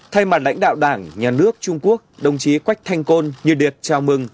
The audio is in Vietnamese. thay mặt lãnh đạo đảng nhà nước trung quốc đồng chí quách thanh côn như điệt chào mừng